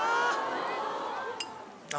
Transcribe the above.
・あ！